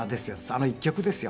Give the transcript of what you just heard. あの一曲ですよ。